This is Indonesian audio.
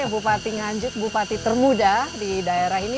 bupati nganjuk bupati termuda di daerah ini